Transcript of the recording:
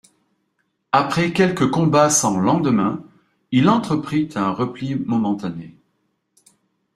Après quelques combats sans lendemain, il entreprit un repli momentané.